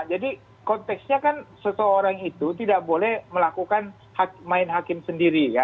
jadi konteksnya kan seseorang itu tidak boleh melakukan main hakim sendiri